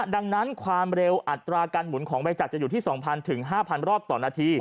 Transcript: ดังนั้นความเร็วอัตราการหมุนของใบจักรจะอยู่ที่๒๐๐๕๐๐รอบต่อนาที